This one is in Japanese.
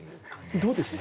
どうですか？